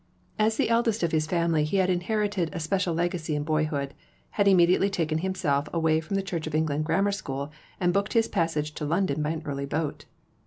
As the eldest of his family he had inherited a special legacy in boyhood; had immediately taken himself away from the Church of England Grammar School, and booked his passage to London by an early boat.